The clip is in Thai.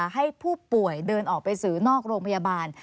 ให้ผู้ป่วยเดินออกไปสื่อนอกโรงพยาบาล